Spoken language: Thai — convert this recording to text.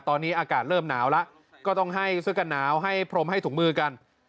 ตอนนี้อากาศเริ่มหนาวแล้วก็ต้องให้เสื้อกันหนาวให้พรมให้ถุงมือกัน